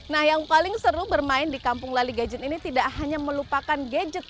nah yang paling seru bermain di kampung lali gadget ini tidak hanya melupakan gadget